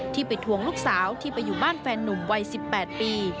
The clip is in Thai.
ไปทวงลูกสาวที่ไปอยู่บ้านแฟนนุ่มวัย๑๘ปี